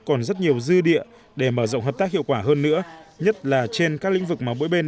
còn rất nhiều dư địa để mở rộng hợp tác hiệu quả hơn nữa nhất là trên các lĩnh vực mà mỗi bên